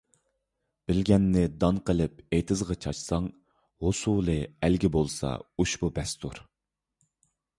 بىلگەننى دان قىلىپ ئېتىزغا چاچساڭ، ھوسۇلى ئەلگە بولسا، ئۇشبۇ بەستۇر.